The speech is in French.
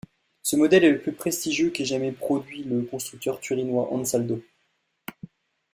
Ce modèle est le plus prestigieux qu'ait jamais produit le constructeur turinois Ansaldo.